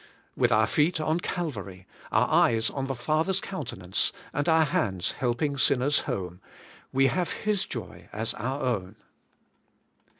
With our feet on Calvary, our eyes on the Father's countenance, and our hands helping sinners home, we have His joy as our own.